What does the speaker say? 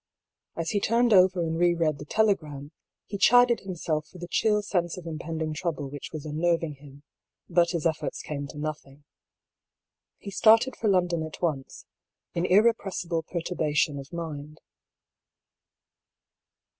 As he turned over and re read the telegram, he chided him self for the chill sense of impending trouble which was unnerving him ; but his efforts came to nothing. He started for London at once, in irrepressible perturbation of mind.